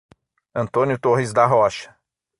Antônio Torres da Rocha